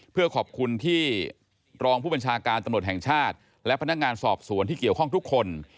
เพื่อขอบคุณที่รองผู้บัญชาการตำรวจแห่งชาติและพนักงานสอบสวนที่เกี่ยวข้องทุกคน